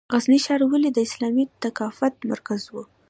غزني ښار ولې د اسلامي ثقافت مرکز و؟